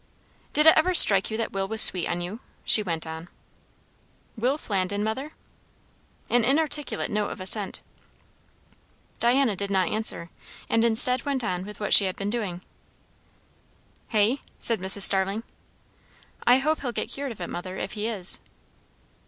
"Did it ever strike you that Will was sweet on you?" she went on. "Will Flandin, mother?" An inarticulate note of assent. Diana did not answer, and instead went on with what she had been doing. "Hey?" said Mrs. Starling. "I hope he'll get cured of it, mother, if he is."